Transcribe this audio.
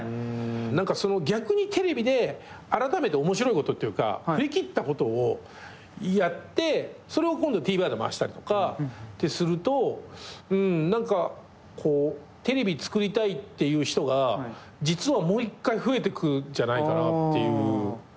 何かその逆にテレビであらためて面白いことっていうか振り切ったことをやってそれを今度ＴＶｅｒで回したりとかってすると何かこうテレビ作りたいっていう人が実はもう一回増えてくんじゃないかなっていう。